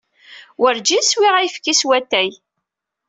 Werǧin swiɣ ayefki s watay.